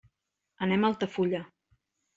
Anem a Altafulla.